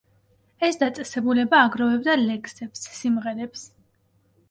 ეს დაწესებულება აგროვებდა ლექსებს, სიმღერებს.